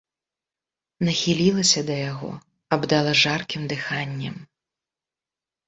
Нахілілася да яго, абдала жаркім дыханнем.